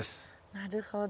なるほど。